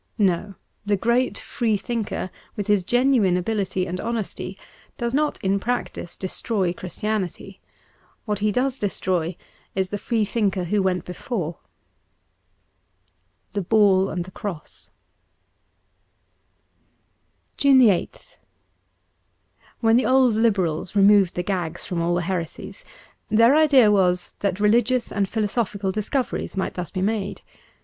No ; the great Freethinker, with his genuine ability and honesty, does not in practice destroy Christianity. What he does destroy is the Freethinker who went before. * The Ball and the Cross.^ 176 JUNE 8th WHEN the old Liberals removed the gags from all the heresies, their idea was that religious and philosophical discoveries might thus be made.